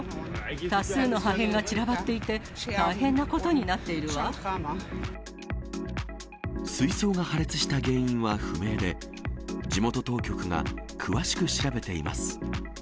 多数の破片が散らばっていて、水槽が破裂した原因は不明で、地元当局が詳しく調べています。